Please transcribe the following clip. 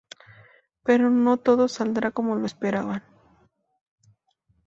Pero no todo saldrá como lo esperaban.